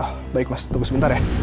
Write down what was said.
wah baik mas tunggu sebentar ya